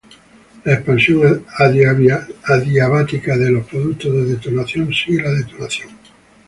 La expansión adiabática de los productos de detonación sigue la detonación.